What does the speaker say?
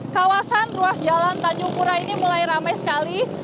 kawasan ruas jalan tanjung pura ini mulai ramai sekali